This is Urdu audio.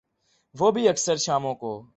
وہ بھی اکثر شاموں کو۔